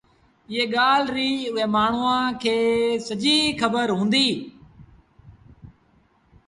ايئي ڳآل ريٚ اُئي مآڻهوٚٚݩ کي سڄيٚ کبر هُݩديٚ